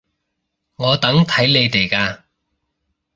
我等睇你哋㗎